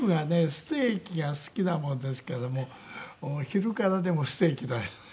ステーキが好きなもんですからお昼からでもステーキ食べて。